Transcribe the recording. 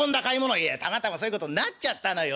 「いやたまたまそういうことになっちゃったのよ。